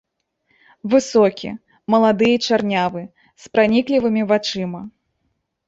Высокі, малады і чарнявы, з праніклівымі вачыма.